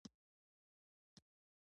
د تلویزیون د باغدارۍ خپرونې ګورئ؟